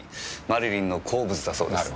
マリリンの好物だそうです。